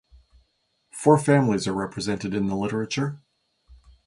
Four families are represented in the literature.